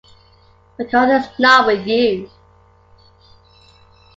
Because is not with you.